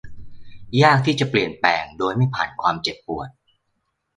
ยากที่จะเปลี่ยนแปลงโดยไม่ผ่านความเจ็บปวด